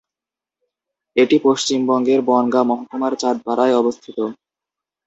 এটি পশ্চিমবঙ্গের বনগাঁ মহকুমার চাঁদপাড়ায় অবস্থিত।